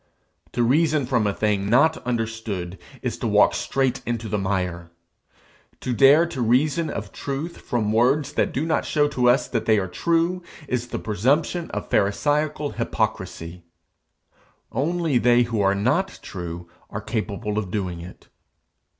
To reason from a thing not understood, is to walk straight into the mire. To dare to reason of truth from words that do not show to us that they are true, is the presumption of Pharisaical hypocrisy. Only they who are not true, are capable of doing it.